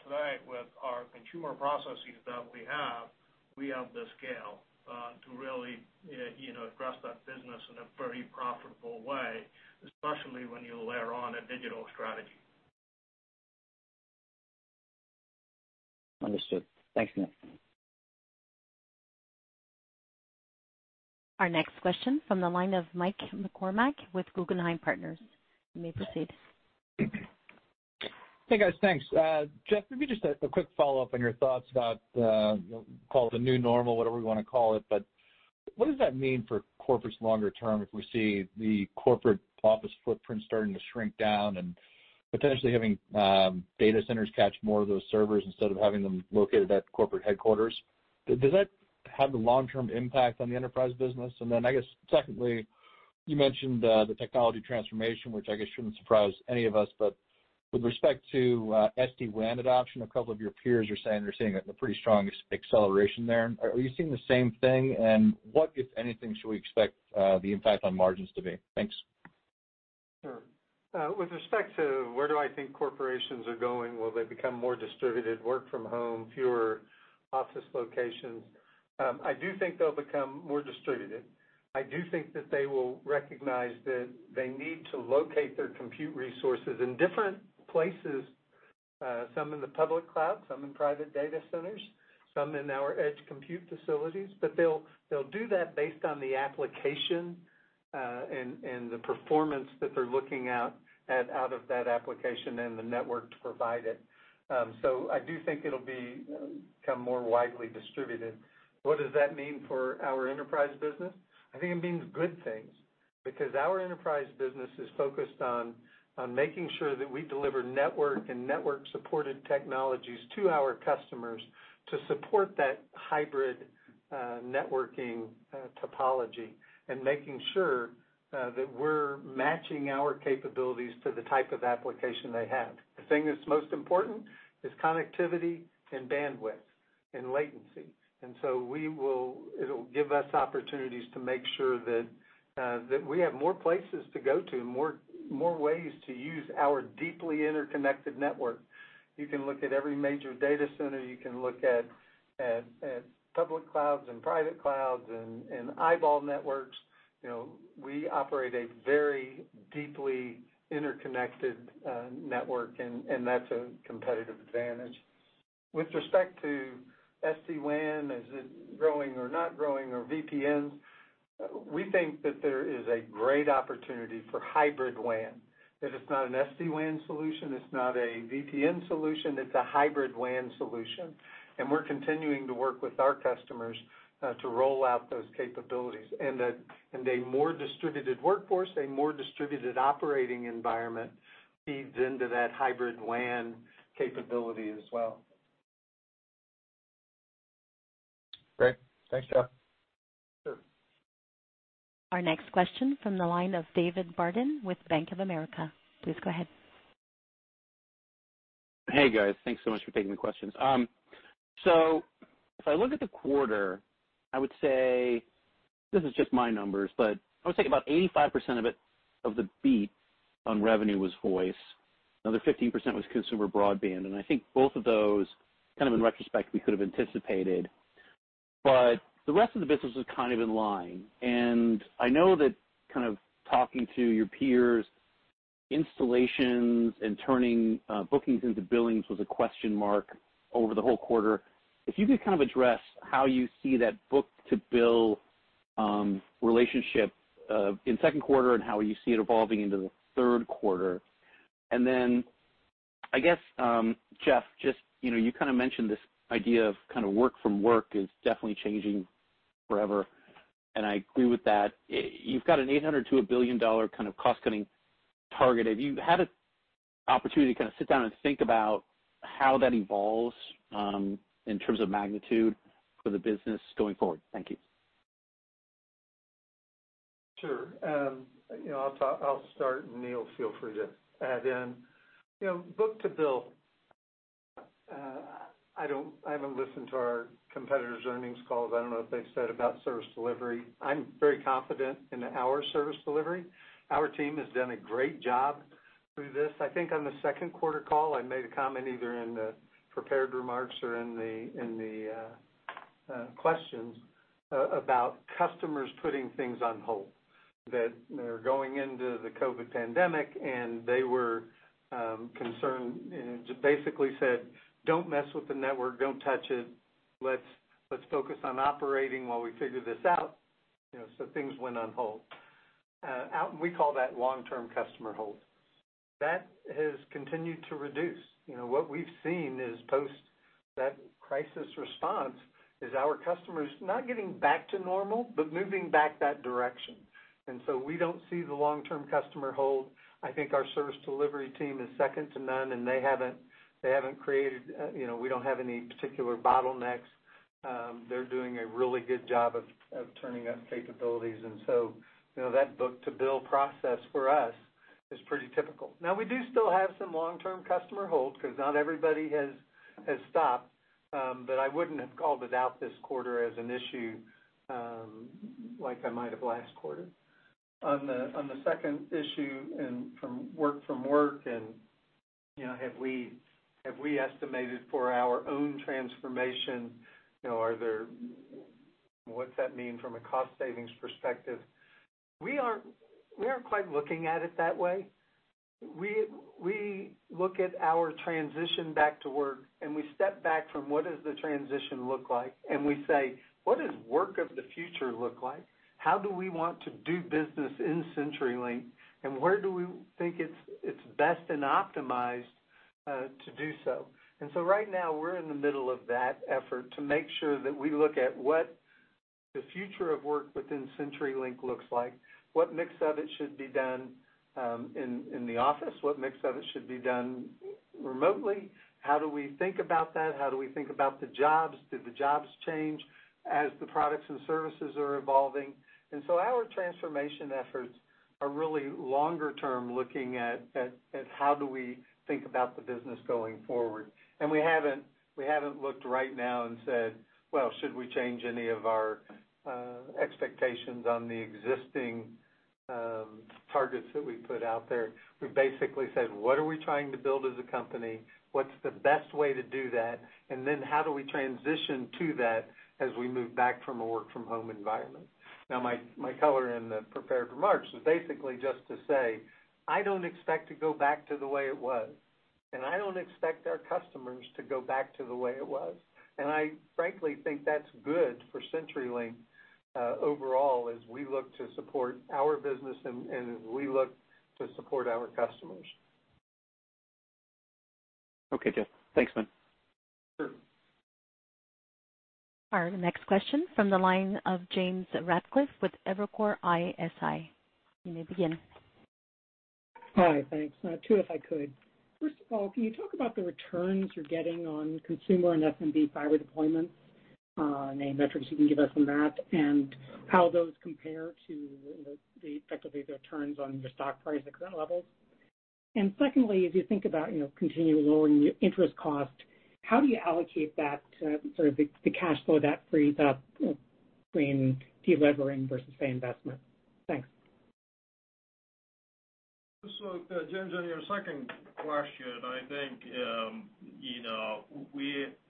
Today, with our Consumer processes that we have, we have the scale to really address that business in a very profitable way, especially when you layer on a digital strategy. Understood. Thanks, Neel. Our next question from the line of Mike McCormack with Guggenheim Partners. You may proceed. Hey, guys. Thanks. Jeff, maybe just a quick follow-up on your thoughts about the, call it a new normal, whatever we want to call it. What does that mean for corporates longer term if we see the corporate office footprint starting to shrink down and potentially having data centers catch more of those servers instead of having them located at corporate headquarters? Does that have a long-term impact on the Enterprise business? I guess, secondly, you mentioned the technology transformation, which I guess should not surprise any of us. With respect to SD-WAN adoption, a couple of your peers are saying they are seeing a pretty strong acceleration there. Are you seeing the same thing? What, if anything, should we expect the impact on margins to be? Thanks. Sure. With respect to where do I think corporations are going? Will they become more distributed, work from home, fewer office locations? I do think they'll become more distributed. I do think that they will recognize that they need to locate their compute resources in different places, some in the public cloud, some in private data centers, some in our Edge Compute facilities. They'll do that based on the application and the performance that they're looking at out of that application and the network to provide it. I do think it'll become more widely distributed. What does that mean for our Enterprise business? I think it means good things because our Enterprise business is focused on making sure that we deliver network and network-supported technologies to our customers to support that hybrid networking topology and making sure that we're matching our capabilities to the type of application they have. The thing that's most important is connectivity and bandwidth and latency. It'll give us opportunities to make sure that we have more places to go to and more ways to use our deeply interconnected network. You can look at every major data center. You can look at public clouds and private clouds and eyeball networks. We operate a very deeply interconnected network, and that's a competitive advantage. With respect to SD-WAN, is it growing or not growing, or VPNs, we think that there is a great opportunity for hybrid WAN. If it's not an SD-WAN solution, it's not a VPN solution, it's a hybrid WAN solution. We're continuing to work with our customers to roll out those capabilities. A more distributed workforce, a more distributed operating environment feeds into that hybrid WAN capability as well. Great. Thanks, Jeff. Our next question from the line of David Barden with Bank of America. Please go ahead. Hey, guys. Thanks so much for taking the questions. If I look at the quarter, I would say this is just my numbers, but I would say about 85% of the beat on revenue was Voice. Another 15% was Consumer Broadband. I think both of those, kind of in retrospect, we could have anticipated. The rest of the business was kind of in line. I know that kind of talking to your peers, installations and turning bookings into billings was a question mark over the whole quarter. If you could kind of address how you see that book-to-bill relationship in second quarter and how you see it evolving into the third quarter. I guess, Jeff, just you kind of mentioned this idea of kind of work-from-work is definitely changing forever. I agree with that. You've got an $800 million-$1 billion kind of cost-cutting target. Have you had an opportunity to kind of sit down and think about how that evolves in terms of magnitude for the business going forward? Thank you. Sure. I'll start, and Neel, feel free to add in. Book-to-bill, I haven't listened to our competitors' earnings calls. I don't know what they've said about service delivery. I'm very confident in our service delivery. Our team has done a great job through this. I think on the second quarter call, I made a comment either in the prepared remarks or in the questions about customers putting things on hold. They're going into the COVID pandemic, and they were concerned, basically said, "Don't mess with the network. Don't touch it. Let's focus on operating while we figure this out." Things went on hold. We call that long-term customer hold. That has continued to reduce. What we've seen is post that crisis response is our customers not getting back to normal, but moving back that direction. We don't see the long-term customer hold. I think our service delivery team is second to none, and they haven't created—we don't have any particular bottlenecks. They're doing a really good job of turning up capabilities. That book-to-bill process for us is pretty typical. We do still have some long-term customer hold because not everybody has stopped. I wouldn't have called it out this quarter as an issue like I might have last quarter. On the second issue from work-from-work, and have we estimated for our own transformation? What's that mean from a cost-savings perspective? We aren't quite looking at it that way. We look at our transition back to work, and we step back from what does the transition look like. We say, "What does work of the future look like? How do we want to do business in CenturyLink? Where do we think it's best and optimized to do so?" Right now, we're in the middle of that effort to make sure that we look at what the future of work within CenturyLink looks like, what mix of it should be done in the office, what mix of it should be done remotely, how do we think about that, how do we think about the jobs, do the jobs change as the products and services are evolving. Our transformation efforts are really longer-term looking at how do we think about the business going forward. We have not looked right now and said, "Should we change any of our expectations on the existing targets that we put out there?" We basically said, "What are we trying to build as a company? What is the best way to do that? And then how do we transition to that as we move back from a work-from-home environment?" My color in the prepared remarks is basically just to say, "I do not expect to go back to the way it was. I do not expect our customers to go back to the way it was." I frankly think that is good for CenturyLink overall as we look to support our business and as we look to support our customers. Okay, Jeff. Thanks, man. Our next question from the line of James Ratcliffe with Evercore ISI. You may begin. Hi. Thanks. Two if I could. First of all, can you talk about the returns you're getting on Consumer and SMB fiber deployments? Any metrics you can give us on that and how those compare to the effectively the returns on your stock price at current levels? Secondly, as you think about continuing lowering the interest cost, how do you allocate that sort of the cash flow that frees up between delivering versus, say, investment? Thanks. James, on your second question, I think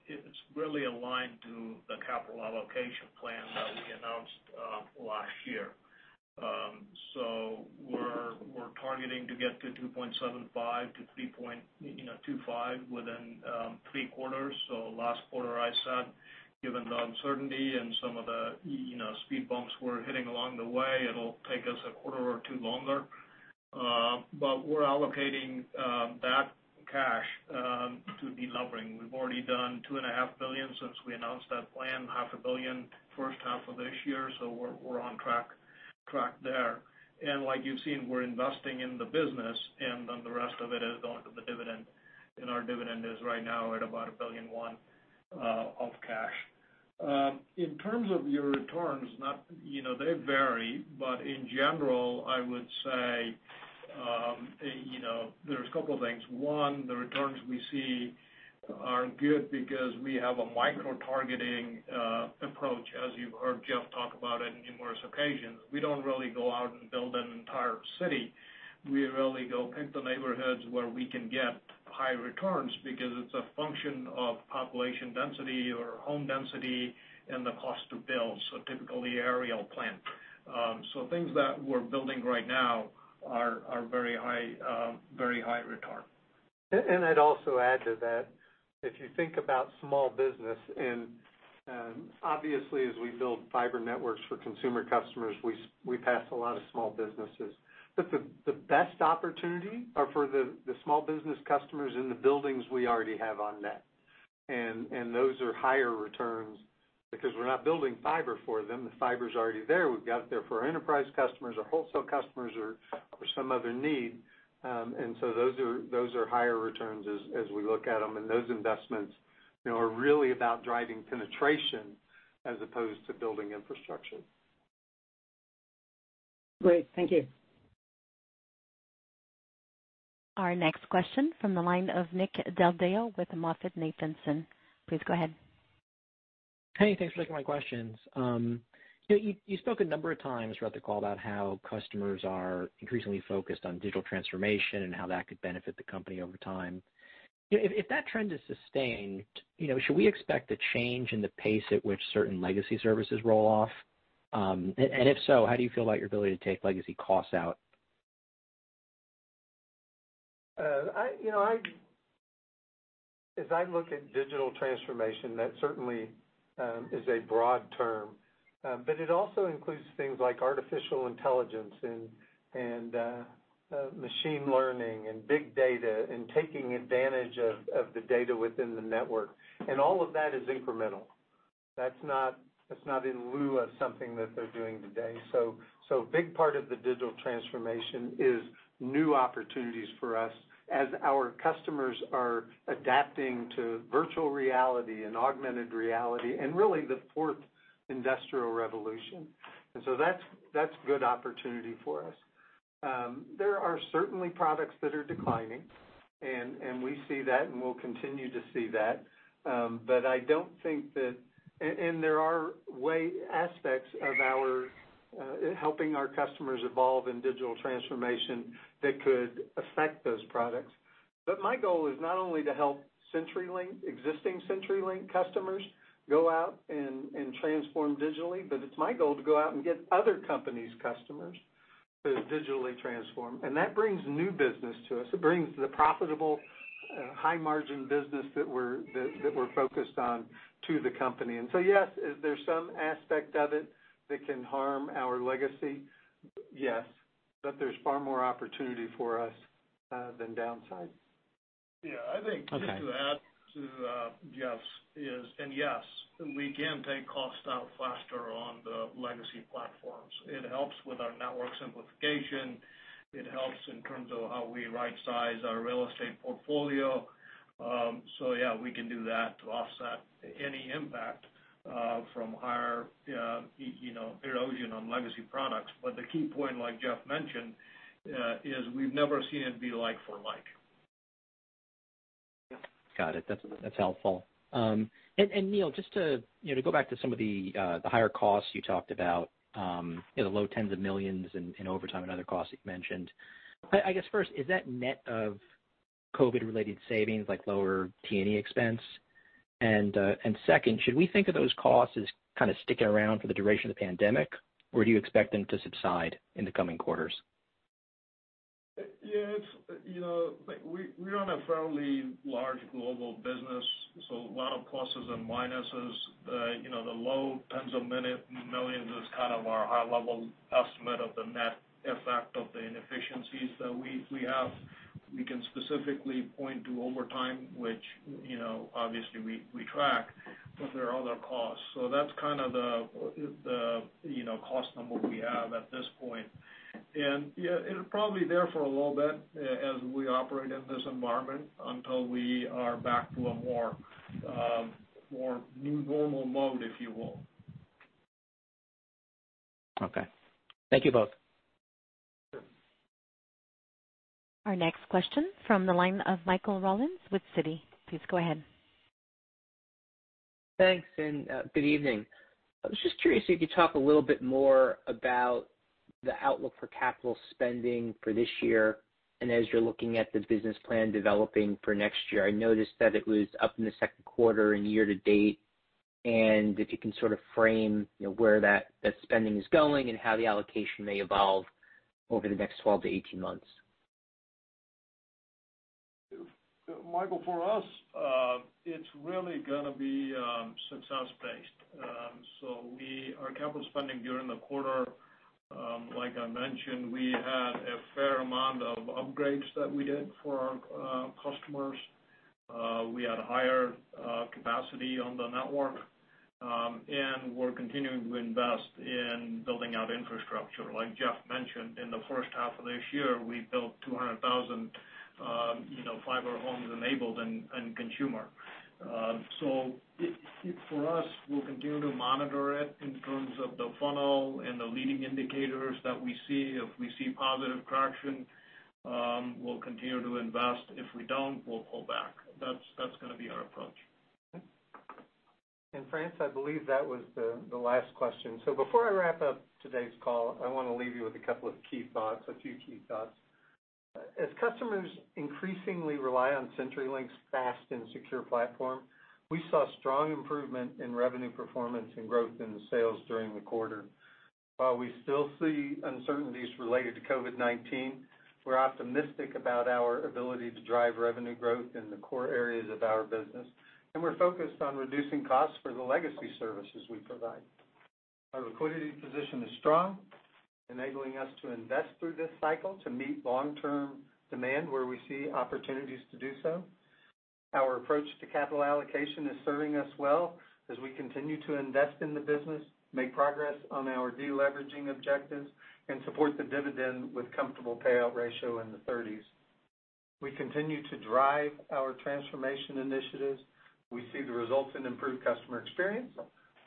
it's really aligned to the capital allocation plan that we announced last year. We're targeting to get to 2.75x-3.25x within three quarters. Last quarter, I said, given the uncertainty and some of the speed bumps we're hitting along the way, it'll take us a quarter or two longer. We're allocating that cash to delivering. We've already done $2.5 billion since we announced that plan, $500 million first half of this year. We're on track there. Like you've seen, we're investing in the business, and the rest of it is going to the dividend. Our dividend is right now at about $1.1 billion of cash. In terms of your returns, they vary. In general, I would say there's a couple of things. One, the returns we see are good because we have a micro-targeting approach, as you've heard Jeff talk about it on numerous occasions. We don't really go out and build an entire city. We really go pick the neighborhoods where we can get high returns because it's a function of population density or home density and the cost to build, typically aerial plant. Things that we're building right now are very high return. I'd also add to that, if you think about small business, and obviously, as we build fiber networks for Consumer customers, we pass a lot of small businesses. The best opportunity for the small business customers is in the buildings we already have on net. Those are higher returns because we're not building fiber for them. The fiber's already there. We've got it there for Enterprise customers or Wholesale customers or some other need. Those are higher returns as we look at them. Those investments are really about driving penetration as opposed to building infrastructure. Great. Thank you. Our next question from the line of Nick Del Deo with MoffettNathanson. Please go ahead. Hey, thanks for taking my questions. You spoke a number of times throughout the call about how customers are increasingly focused on digital transformation and how that could benefit the company over time. If that trend is sustained, should we expect a change in the pace at which certain legacy services roll off? If so, how do you feel about your ability to take legacy costs out? As I look at digital transformation, that certainly is a broad term. It also includes things like artificial intelligence and machine learning and big data and taking advantage of the data within the network. All of that is incremental. That is not in lieu of something that they are doing today. A big part of the digital transformation is new opportunities for us as our customers are adapting to virtual reality and augmented reality and really the fourth industrial revolution. That is good opportunity for us. There are certainly products that are declining, and we see that, and we'll continue to see that. I don't think that, and there are aspects of helping our customers evolve in digital transformation that could affect those products. My goal is not only to help existing CenturyLink customers go out and transform digitally, but it's my goal to go out and get other companies' customers to digitally transform. That brings new business to us. It brings the profitable, high-margin business that we're focused on to the company. Yes, there's some aspect of it that can harm our legacy. Yes. There is far more opportunity for us than downside. Yeah. I think to add to Jeff's is, and yes, we can take costs out faster on the legacy platforms. It helps with our network simplification. It helps in terms of how we right-size our real estate portfolio. Yeah, we can do that to offset any impact from higher erosion on legacy products. The key point, like Jeff mentioned, is we've never seen it be like for like. Got it. That's helpful. And Neel, just to go back to some of the higher costs you talked about, the low tens of millions in overtime and other costs that you mentioned, I guess first, is that net of COVID-related savings, like lower T&E expense? Second, should we think of those costs as kind of sticking around for the duration of the pandemic, or do you expect them to subside in the coming quarters? Yeah. We run a fairly large global business, so a lot of pluses and minuses. The low tens of million is kind of our high-level estimate of the net effect of the inefficiencies that we have. We can specifically point to overtime, which obviously we track, but there are other costs. So that's kind of the cost number we have at this point. It'll probably be there for a little bit as we operate in this environment until we are back to a more normal mode, if you will. Okay. Thank you both. Our next question from the line of Michael Rollins with Citi. Please go ahead. Thanks. Good evening. I was just curious if you could talk a little bit more about the outlook for capital spending for this year and as you're looking at the business plan developing for next year. I noticed that it was up in the second quarter and year-to-date. If you can sort of frame where that spending is going and how the allocation may evolve over the next 12 to 18 months. Michael, for us, it's really going to be success-based. Our capital spending during the quarter, like I mentioned, we had a fair amount of upgrades that we did for our customers. We had higher capacity on the network. We're continuing to invest in building out infrastructure. Like Jeff mentioned, in the first half of this year, we built 200,000 fiber homes enabled and Consumer. For us, we'll continue to monitor it in terms of the funnel and the leading indicators that we see. If we see positive traction, we'll continue to invest. If we don't, we'll pull back. That's going to be our approach. France, I believe that was the last question. Before I wrap up today's call, I want to leave you with a couple of key thoughts, a few key thoughts. As customers increasingly rely on CenturyLink's fast and secure platform, we saw strong improvement in revenue performance and growth in sales during the quarter. While we still see uncertainties related to COVID-19, we're optimistic about our ability to drive revenue growth in the core areas of our business. We're focused on reducing costs for the legacy services we provide. Our liquidity position is strong, enabling us to invest through this cycle to meet long-term demand where we see opportunities to do so. Our approach to capital allocation is serving us well as we continue to invest in the business, make progress on our deleveraging objectives, and support the dividend with comfortable payout ratio in the 30s. We continue to drive our transformation initiatives. We see the results in improved customer experience,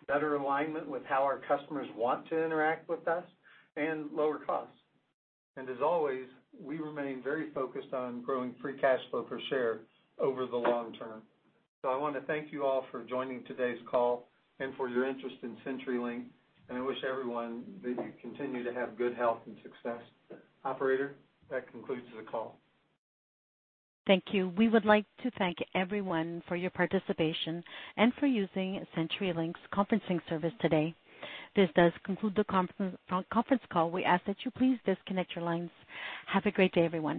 better alignment with how our customers want to interact with us, and lower costs. As always, we remain very focused on growing free cash flow per share over the long term. I want to thank you all for joining today's call and for your interest in CenturyLink. I wish everyone that you continue to have good health and success. Operator, that concludes the call. Thank you. We would like to thank everyone for your participation and for using CenturyLink's conferencing service today. This does conclude the conference call. We ask that you please disconnect your lines. Have a great day, everyone.